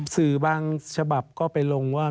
สื่อบางฉบับก็ไปลงว่า